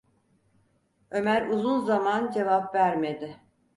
Ömer uzun zaman cevap vermedi.